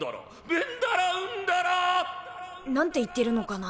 ベンダラウンダラ。なんて言ってるのかな？